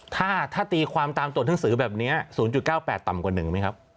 ถ้าตีความตามตัวหนังสือแบบนี้๐๙๘ต่ำกว่า๑ไหมครับ